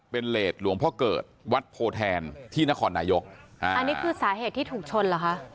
เป็นเลสหลวงพ่อเกิดวัดโพแทนที่นครนายกอ่าอันนี้คือสาเหตุที่ถูกชนเหรอคะ